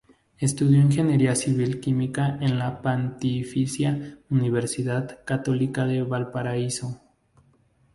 Estudió Ingeniería Civil Química en la Pontificia Universidad Católica de Valparaíso.